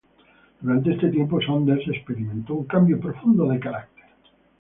Durante este tiempo Saunders experimentó un cambio profundo del carácter.